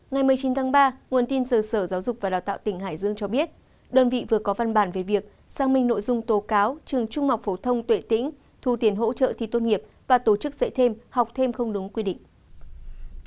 ngày một mươi chín tháng ba nguồn tin sở giáo dục và đào tạo tỉnh hải dương cho biết đơn vị vừa có văn bản về việc xác minh nội dung tố cáo trường trung học phổ thông tuệ tĩnh thu tiền hỗ trợ thi tốt nghiệp và tổ chức dạy thêm học thêm không đúng quy định